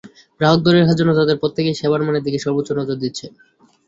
গ্রাহক ধরে রাখার জন্য তাদের প্রত্যেকেই সেবার মানের দিকে সর্বোচ্চ নজর দিচ্ছে।